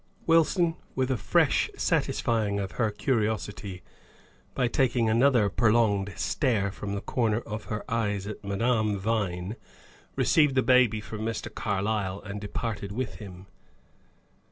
Wilson, with a fresh satisfying of her curiosity, by taking another prolonged stare from the corner of her eyes at Madame Vine, received the baby from Mr. Carlyle, and departed with him.